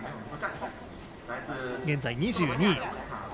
現在２２位。